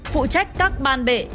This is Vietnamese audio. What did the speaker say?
phụ trách các ban bệ